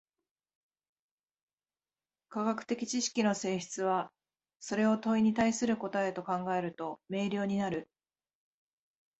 科学的知識の性質は、それを問に対する答と考えると明瞭になる。